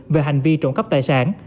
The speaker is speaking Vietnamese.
về hành vi trộm cắp tài sản